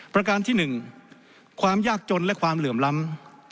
ประการที่๑ความยากจนและความเหลื่อมล้ำ